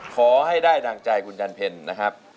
ขอให้ได้ดังใจคุณจันเพ็ญนะครับ